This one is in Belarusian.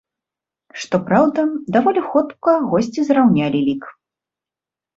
Што праўда, даволі хутка госці зраўнялі лік.